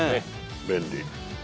便利。